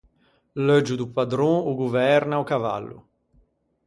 L’euggio do padron o governa o cavallo.